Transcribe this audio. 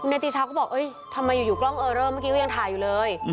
ในติชาวก็บอกเอ้ยทำไมอยู่กล้องเออเริ่มเมื่อกี้ก็ยังถ่ายอยู่เลย